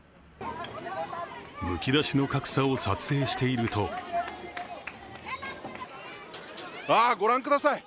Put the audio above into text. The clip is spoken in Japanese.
むき出しの格差を撮影しているとあ、ご覧ください。